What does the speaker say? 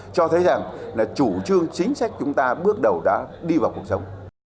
cho thấy rằng là chủ trương chính sách chúng ta bước đầu đã đi vào cuộc sống